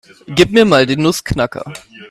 Gib mir mal den Nussknacker.